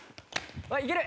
いける！